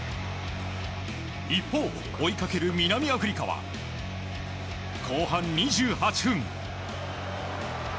一方、追いかける南アフリカは後半２８分。